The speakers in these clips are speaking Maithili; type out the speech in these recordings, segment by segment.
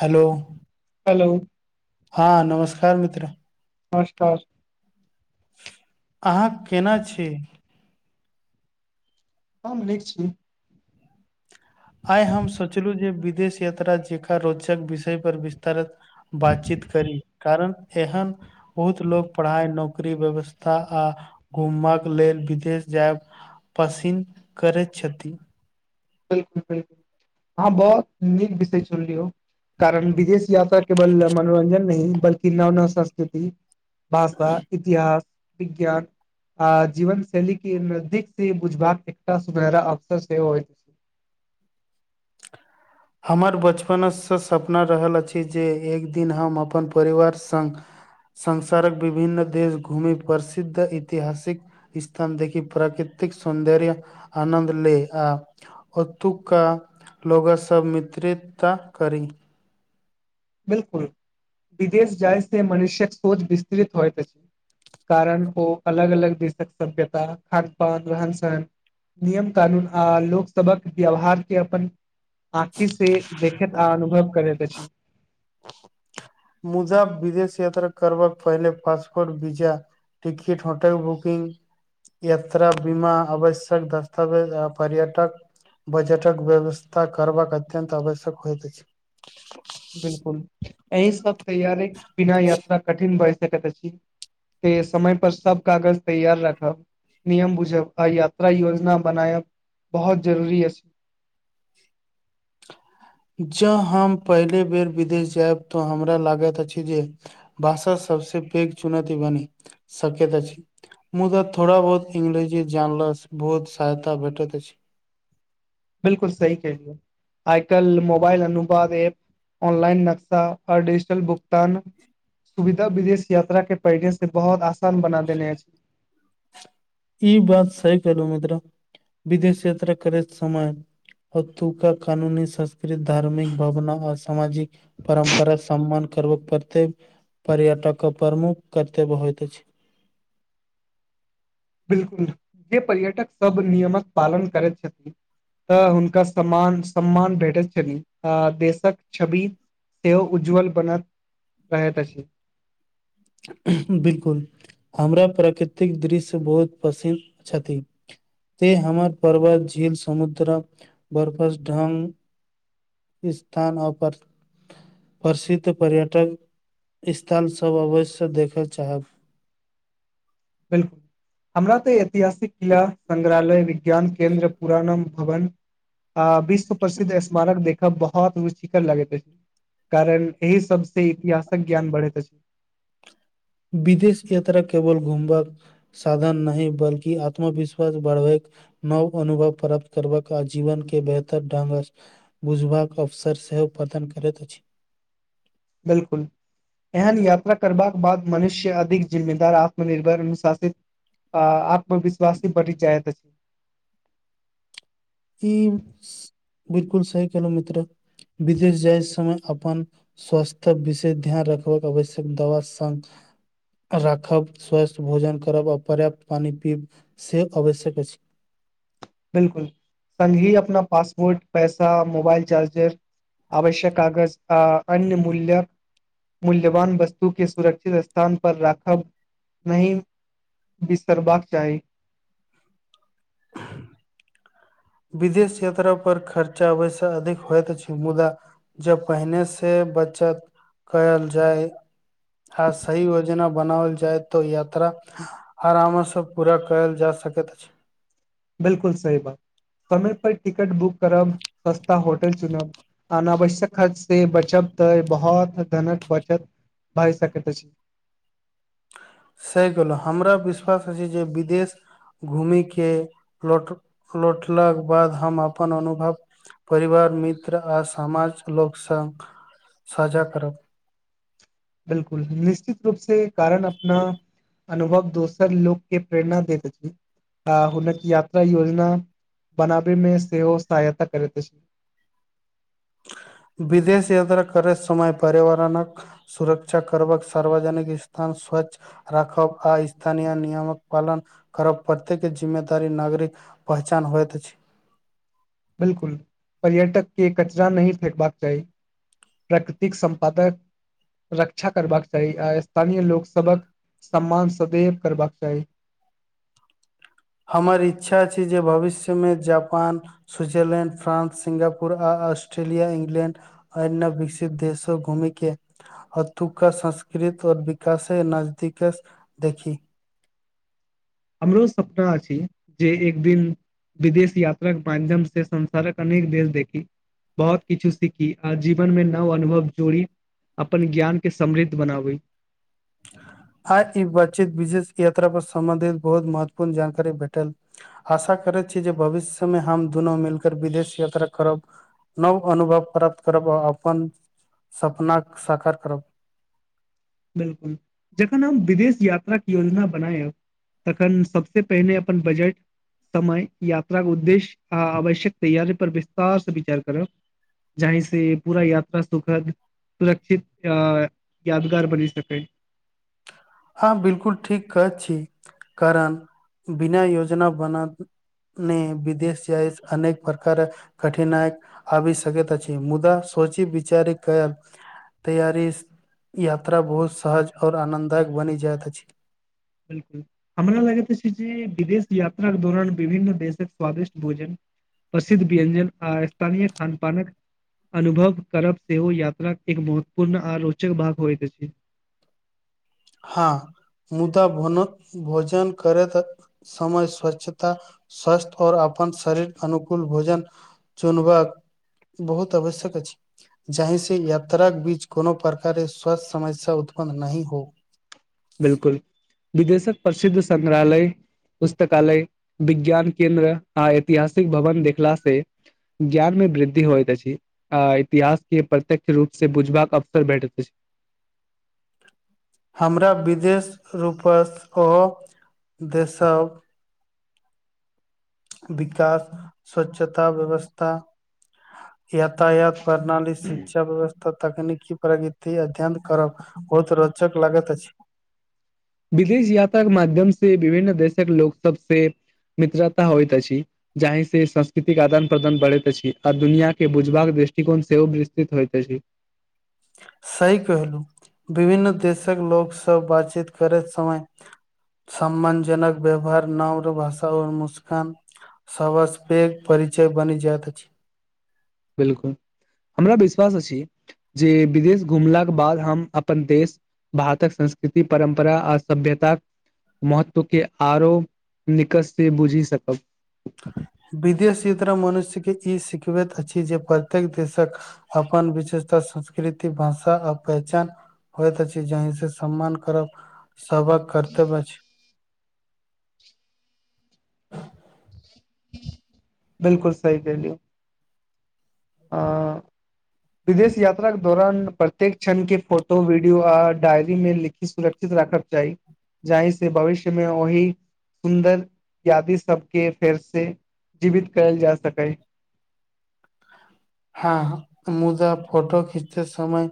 हेलो हेलो हाँ नमस्कार मित्र नमस्कार अहाँ केना छी हम निक छी आइ हम सोचलहु जे विदेश यात्रा जेकर रोचक विषय पर विस्तारत बातचीत करी कारण एहन बहुत लोको पढ़ाई नौकरी व्यवस्था आ घूमक लेल विदेश जायब पसीन करैत छथिन बिल्कुल बिल्कुल आहाँ बहोत नीक विषय चुनिलय कारण विदेश यात्रा केवल मनोरञ्जन नहि बल्की नव नव संस्कृति भाषा इतिहास विज्ञान आ जीवन शैली के नजदीक सी बुझबाक एकटा सुनहरा अवसर सेहो अछि हमर बचपनसँ सपना रहल अछि जे एक दिन हम अपन परिवार संग संसारक विभिन्न देश घूमि प्रसिद्ध इतिहासिक स्थान देखि प्राकृतिक सौन्दर्य आनन्द ले आ ओतुका लोग सभ मित्रितता करी बिलकुल विदेश जाइ से मनुषयक सोच विस्तृत होइत अछि कारण ओ अलग अलग देशक सभ्यता खान पान रहन सहन नियम कानून आ लोकसभक व्यवहार के अपन आँखि से देखैत आ अनुभव करैत अछि [inaudible] मुजा विदेश यात्रा कर पहिल passport visa ticket hotel booking यात्रा बीमा आवश्यक दस्तावेज पर्यटक बजेटक व्यवस्था करबाक अत्यंत आवश्यक होइत अछि बिलकुल एहि सब तैयारे बिना यात्रा कठिन भए सकैत अछि त समय पर सब कागज तैयार रखब नियम बुझब आ यात्रा योजना बनायब बहुत जरूरी अछि जँ हम पहिले बेर विदेश जायब तऽ हमरा लागैत अछि जे भाषा सबस पैघ चुनौती बनी सकैत अछि मुद्दा थोड़ा बहुत इंग्रेजी जानल बहुत सहायता भेटैत अछि बिलकुल सही कहलियए आइ कल मोबाइल अनुवाद ऐप ऑनलाइन नक्शा आओर डिजिटल भुगतान सुविधा विदेश यात्रा के पढ़ने से बहुत आसान बना देने अछि ई बात सी करू मित्र विदेश यात्रा करैत समय ओतुका कानूनी संस्कृत धार्मिक भावना औ सामाजिक परम्परा सम्मान करब पतेव पर्यटक प्रमुख कर्तव्य होइत अछि बिलकुल जे पर्यटक सब नियमक पालन करैत छथि त हुनका सम्मान सम्मान भेटैत छनि आ देशक छवि सेह उज्ज्वल बनत रहैत अछि बिलकुल हमरा प्राकृतिक दृश्य बहुत पसिन्न छथि त हमर पर्वत झील समुद्रा बरफस ढंग स्थानो पर प्रसिद्ध पर्यटक स्थलसभ अवश्य देखय चाहब बिलकुल हमरा तऽ ऐतिहासिक किला संग्रहालय ज्ञान केंन्द्र पुरानम भवन आ विश्व प्रसिद्ध स्मारक देख बहुत रुचिकर लगैत अछि कारण एहि सब से इतिहासक ज्ञान बढ़ैत अछि छै विदेश यात्रा केवल घुमबाक साधन नहि बल्कि आत्मविश्वास बढ़बै नव अनुभव प्राप्त करबाक जीवन के बेहतर ढंग बुझबाक अवसर सेहो पतन करैत अछि बिलकुल एहन यात्रा करबाक बाद मनुष्य अधिक जिम्मेदार आत्मनिर्भर अनुशासित आ आत्मविश्वासी बढ़ जायत अछि ई बिलकुल सही कहेलहु मित्र विदेश जाय समय अपन स्वास्थ्य विशेष ध्यान रखबाक आवश्यक दवा संग राखब स्वस्थ भोजन करब आ पर्याप्त पानि पीब से आवश्यक अछि बिलकुल सङघी अपना पासपोर्ट पैसा मोबाइल चार्जर आवश्यक कागज आ अन्य मूल्य मूल्यवान वस्तु के सुरक्षित स्थान पर राखब नहि बिसरबाक चाही विदेश यात्रा पर खर्चा वैस अधिक होइत अछि मुद्दा जब पहिने से बचत कयल जाय आ सही योजना बनाओल जाय तऽ यात्रा आरामसँ पूरा कयल जा सकैत अछि बिलकुल सही बात समय पर टिकट बुक करब सस्ता होटल चुनब अनावश्यक खर्च से बचब तऽ बहुत घनक बचत भए सक छै सहि गेलहुँ हमरा विश्वास अछि जे विदेश घूमी के लोट लौटलाके बाद हम अपन अनुभव परिवार मित्र आर समाज लोक स साझा करब बिलकुल निश्चित रूप से कारण अपना अनुभव दोसर लोकके प्रेरणा देत अछि आ हके यात्रा योजना बनाबैमे सेहो सहायता करैत अछि विदेश यात्रा करैत समय पर्यावरणक सुरक्षा करबक सार्वजनिक स्थान स्वच्छ राखब आ स्थानीय नियम कऽ पालन करब प्रत्येक जिम्मेदारी नागरिक पहचान होइत अछि बिल्कुल पर्यटक केँ कचरा नै फेकबाक चाही प्राकृतिक सम्पादक रक्षा करबाका चाही आ स्थानीय लोक सबक सम्मान सदैव करबाक चाही हमर इच्छा छै जे भविष्य में Japan Switzerland France Singapore Australia England अयनव विकसित देशो घुमै केँ हथुका संस्कृत और विकासे नजदीक स देखी हमरो सपना आ छी जे एकदिन विदेश याता केँ माध्यम से संसार कऽ अनेक देश देखी बहुत किछु सीखी आ जीवन में नव अनुभव जोड़ी अपन ज्ञान केँ समृद्ध बनाबै आ ई बातचीत विशेष याता पर सम्बंधित बहुत महत्वपूर्ण जानकारी भेटल आशा करैत छी जे भविष्य में हम दुनू मिलकर विदेश यात्रा करब नव अनुभव प्राप्त करब आ अपन सपना कऽ सकार करब बिल्कुल जखन हम विदेश यात्रा कऽ योजना बनायब तखन सबसे पहिने अपन बजट समय यात्रा केँ उद्देश्य आ आवश्यक तैयारी पर विस्तार से विचार करब जाही से पूरा यात्रा सुखद सुरक्षित अ याद भार बनी सकै हँ बिल्कुल ठीक कह छी कारण बिना योजना बना ने विदेश जाइ अनेक प्रकार कठिनाइक आबी सकैत अछि मुदा सोची विचारी कयल तैयारी [inaudible] यात्रा बहुत सहज और आनन्द दायक बनी जाइत अछि बिल्कुल हमरा लगैत छी जे विदेश यात्राक दौरान विभन्न देशक स्वादिष्ट भोजन प्रसिद्ध व्यंजन आ स्थानीय खान पान कऽ अनुभव करब सेहो यात्रा कऽ एक महत्वपूर्ण आ रोचक भाग होयइत अछि हँ मुदा भन भोजन करैत समय स्वच्छता स्वस्थ और अपन शरीर अनुकूल भोजन चुनबाक बहुत आवश्यक अछि जहि से यात्रा कऽ बीच कोनो प्रकारे स्वास्थ्य समस्या उत्पन्न नहीं हो बिल्कुल विदेशक प्रसिद्ध संग्रहालय पुस्तकालय विज्ञान केंन्द्र आ ऐतिहासिक भवन देखला से ज्ञान में वृद्धि होइत अछी अ इतिहास केँ प्रत्यक्ष रूप से बुझबाक केँ अवसर भैटत अछी हमरा विदेश रूपसँ ओ [inaudible] देशब विकास स्वच्छता व्यवस्था यातायात प्रणाली शिक्षा व्यवस्था तकनिकी प्रगति अध्ययन करब बहुत रोचक लागत अछी विदेश यात्रा केँ माध्यम से विभिन्न देश कऽ लोक सब से मित्रता होइत अछि। जाहि से संस्कृतिक आदान प्रदान बढ़ैत अछि आ दुनिया केँ बुझबाक दृष्टिकोण सेहो विस्तृत होइत अछि। सही कहलहु विभिन्न देशक लोक सभ बातचीत करैत समय। समान जनक व्यवहार नामर भाषा ओ मुस्कान सभसँ पैघ परिचय बनि जायइत अछि बिल्कूल हमरा विश्वास अछि जे विदेश घुमला के बाद हम अपन देश भारतक संस्कृति परम्परा आर सभ्यता। महत्व के आरो निकटसँ बुझि सकब। विदेश यात्रा मनुष्य के ई सिखबैत अछि जे प्रत्येक देशक। अपन विशेषता संस्कृति भाषा आ पहचान। होइत छै जी से समान करब सभहकऽ घर वाहा छैय। बिल्कुल सही केली। हा विदेश यात्रा के दौरान प्रत्येक क्षण के फोटो वीडियो आर डायरी मे लिख। सुरक्षित राखके चाही। जाहि से भविष्य मे ओहि सुन्दर यादि सभके फेर से। जीवित कयल जा सकैय। हा मुदा फोटो खीचते समय।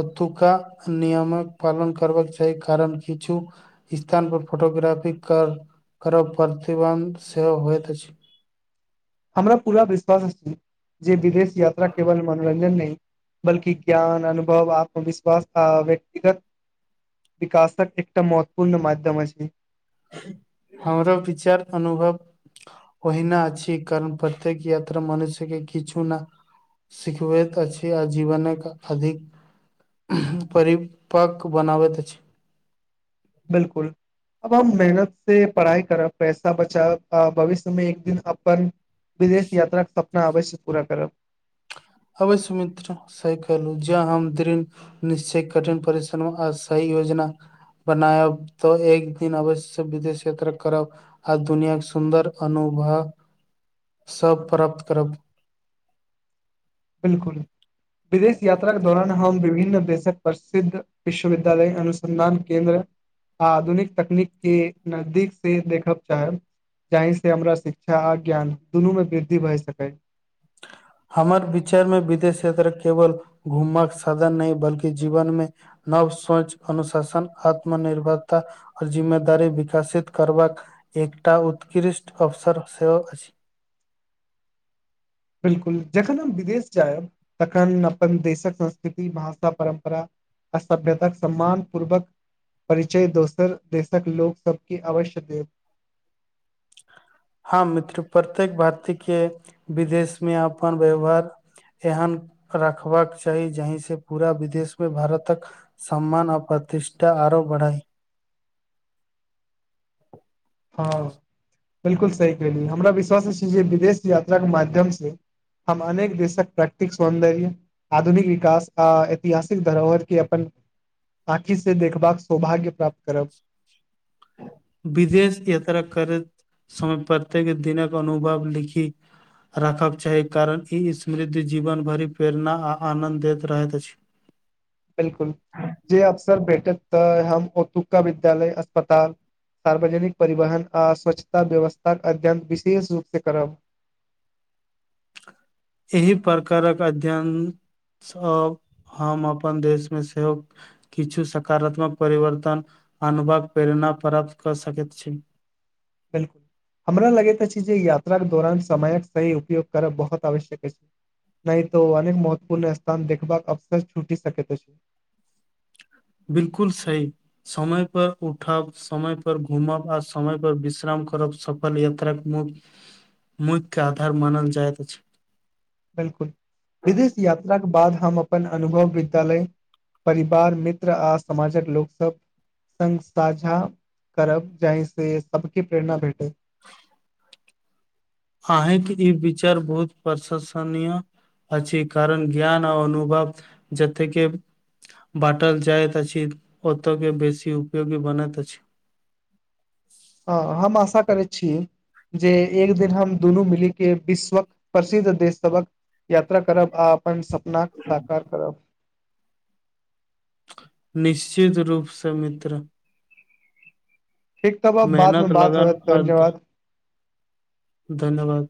ओतुका नियमक पालन करबाकऽ चाही कारण किछु। स्थान पर फोटोग्राफी कर करब प्रतिबंध सेहो होइत अछि। हमरा पूरा विश्वास अछि जे विदेश यात्रा केवल मनोरंजन नैय अइय। बल्कि ज्ञान अनुभव आत्मविश्वास आ व्यक्तिगत। विकाशक एकटा महत्वपूर्ण माध्यम अछि। हमर विचार अनुभव। ओहिना छी कारण प्रत्येक यात्रा मनुष्य के किछु ना। सिखबैत अछि जीवनक अधिक। परिपक्व बनाबैत अछि। बिल्कुल। अब हम मेहनत से पढ़ाई करब पैसा बचाब भविष्य मे एक दिन अपन। विदेश यात्रा के सपना अवश्य पूरा करब। अबै सुमित्र से कहलहु जा हम द्रम। निश्चय कठिन परिश्रम। आ सही योजना बनायब तऽ एक दिन अवश्य विदेश यात्रा करब। आ दुनियाके सुन्दर अनुभव सभ प्राप्त करब। बिल्कुल विदेश यात्रा के दौरान हम विभिन्न देशक प्रसिद्ध। विश्वविद्यालय अनुसन्धान केन्द्र। आधुनिक तकनीक के नजदीक से देखब चाहब। जाहिसँ हमरा शिक्षा आ ज्ञान दुनूमे वृद्धि भऽ सकैय हमर विचार मे विदेश यात्रा केवल घुमकऽ साधन नहि बल्कि जीवन मे नव सोच अनुशासन आत्म निर्भरता। जिम्मेदारी विकासित करबाकऽ एकटा उतकृष्ट अवसर सेहो छैइय। बिल्कुल जखन हम विदेश जायब तखन अपन देश कऽ संस्कृति भाषा परम्परा। असभ्यताक समान पूर्वक। परिचय दोसर देश कऽ लोक सभके अवश्य देब। ह मित्र प्रत्येक भारती के विदेशमे अपन व्यवहार। एहन रखबाक चाही जही से पूरा विदेश मे भारतक। सम्मान आ प्रतिष्ठा आरो बढ़ात - हँ बिल्कुल सही केली हमरा विश्वास अछै विदेश यात्रा के माध्यम से हम अनेक देशक प्रैक्टिस सौंदर्य आधुनिक विकास आ ऐतिहासिक धरोहर के अपन आँखि से देखबाक सौभाग्य प्राप्त करब विदेश यात्रा करैत समय प्रत्येक दिनक अनुभव लिखी राखब चाही कारण ई समृद्ध जीवन भरि प्रेरणा आ आनन्द दैत रहैत अछि। बिलकुल। जे अफसर भेटत तऽ हम ओतुका विद्यालय अस्पताल सार्वजनिक परिवहन आ स्वच्छता व्यवस्था के अध्ययन विशेष रूप सँ करब एहि प्रकारक अध्ययन सब हम अपन देश मे सेहो किछु सकारात्मक परिवर्तन आनबाक प्रेरणा प्राप्त कऽ सकैत छै बिल हमरा लगैत अछि जे यात्राक दौरान समयक सही उपयोग करब बहुत आवश्यक अछि नहि त अनेक महत्वपूर्ण स्थान देखबाक अफसर छूटी सकैत अइछ बिलकुल सही समय पर उठा समय पर घुमब आ समय पर विश्राम करब सफल यात्रा मु मुद के आधार मानल जायइत अछि बिलकुल विदेश यात्राक के बाद हम अपन अनुभव विद्यालय परिवार मित्र आ समाजक लोक सब संग साझा करब जाहि से सबके प्रेरणा भेटे अहे के ई विचार बहुत प्रशंसनीय अछी कारण ज्ञान आ अनुभव जथ्थेके बाँटल जाइत अछि ओतो के बेसी उपयोगी बनैत अछि हँ हम आशा करै छी जे एक दिन हम दुनू मिली के विश्वक प्रसिद्ध देश सबक यात्रा करब आ अपन सपना साकार करब निश्चित रूप स मित्र ठीक तब अब बाद मे मेहनत बात हो लगन आ ध- धन्यवाद धन्यवाद